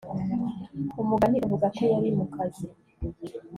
Umugani uvuga ko yari mukazi